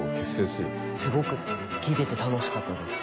すごく聴いてて楽しかったです。